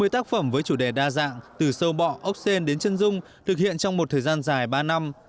năm mươi tác phẩm với chủ đề đa dạng từ sâu bọ ốc sen đến chân dung thực hiện trong một thời gian dài ba năm